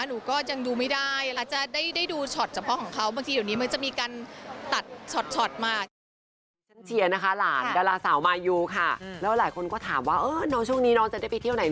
หนูก็ยังดูไม่ได้อาจจะได้ดูช็อตเฉพาะของเขา